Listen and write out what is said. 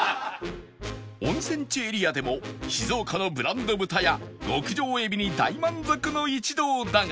温泉地エリアでも静岡のブランド豚や極上エビに大満足の一同だが